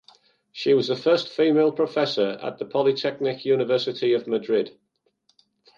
She was the first female professor at the Polytechnic University of Madrid.